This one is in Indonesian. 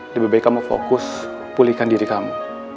lebih baik kamu fokus pulihkan diri kamu